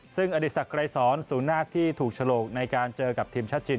ซึ่งอดิษัทไกรสนสูงหน้าที่ถูกฉลกในการเจอกับทีมชลัดจีน